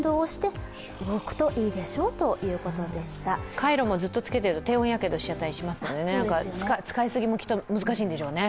カイロもずっとつけてると低温やけどしちゃいますし使いすぎも、きっと難しいんでしょうね。